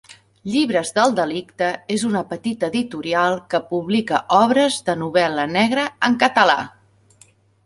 Llibres del Delicte és una petita editorial que publica obres de novel·la negra en català.